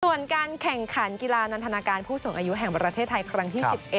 ส่วนการแข่งขันกีฬานันทนาการผู้สูงอายุแห่งประเทศไทยครั้งที่๑๑